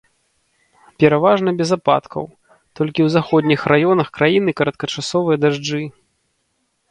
Пераважна без ападкаў, толькі ў заходніх раёнах краіны кароткачасовыя дажджы.